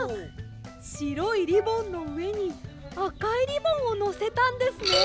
しろいリボンのうえにあかいリボンをのせたんですね。